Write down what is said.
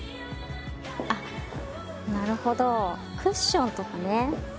あっなるほどクッションとかね。